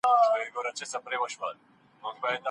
زیاته ډوډۍ ماڼۍ ته نه وړل کیږي.